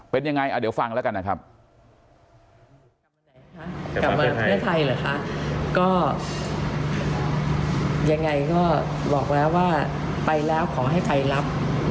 เป็นยังไงเดี๋ยวฟังแล้วกันนะครับ